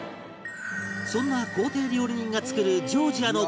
そんな公邸料理人が作るジョージアの国民食